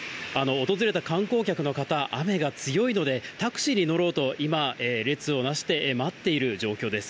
訪れた観光客の方、雨が強いので、タクシーに乗ろうと今、列をなして待っている状況です。